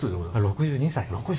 ６２歳。